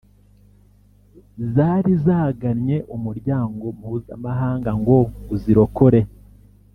zari zagannye umuryanyo mpuzamahanga ngo uzirokore